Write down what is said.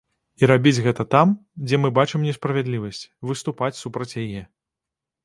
І рабіць гэта там, дзе мы бачым несправядлівасць, выступаць супраць яе.